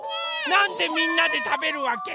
なんでみんなでたべるわけ？